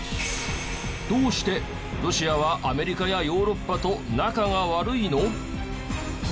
どうしてロシアはアメリカやヨーロッパと仲が悪いの？